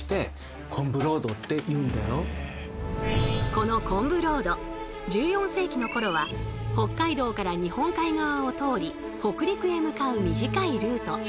この「昆布ロード」１４世紀のころは北海道から日本海側を通り北陸へ向かう短いルート。